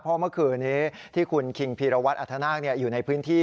เพราะเมื่อคืนนี้ที่คุณคิงพีรวัตรอัธนาคอยู่ในพื้นที่